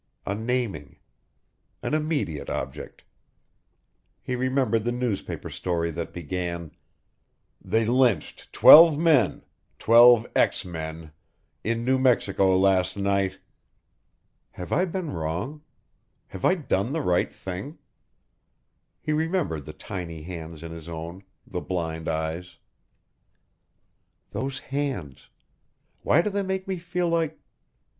A naming. An immediate object. He remembered the newspaper story that began: "They lynched twelve men, twelve ex men, in New Mexico last night ..." Have I been wrong? Have I done the right thing? He remembered the tiny hands in his own, the blind eyes. _Those hands. Why do they make me feel like